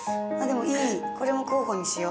これも候補にしよう。